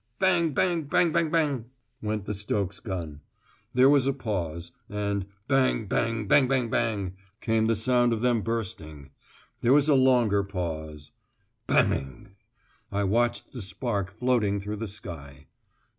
"Bang, bang, bang, bang, bang!" went the Stokes gun. There was a pause, and "bang, bang, bang, bang, bang!" came the sound of them bursting. There was a longer pause. "Bang!" I watched the spark floating through the sky.